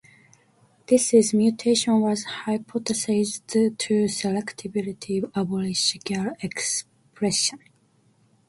This mutation was hypothesized to selectively abolish Gal expression.